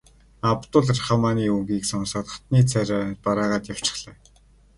Абдул Рахманы үгийг сонсоод хатантны царай барайгаад явчихлаа.